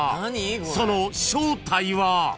［その正体は！？］